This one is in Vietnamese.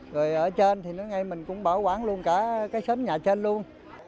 rồi ở trên thì nó ngay mình cũng bảo quản luôn cả cái xóm nhà trên luôn